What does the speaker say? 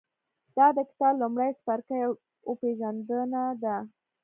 دا د کتاب لومړی څپرکی او پېژندنه ده.